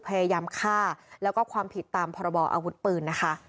พยายามฆ่าแล้วก็ความผิดตามพรบออาวุธปืนนะคะ